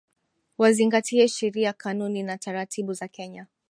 Wazingatie sheria kanuni na taratibu za Kenya